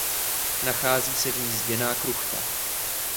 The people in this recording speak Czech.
Nachází se v ní zděná kruchta.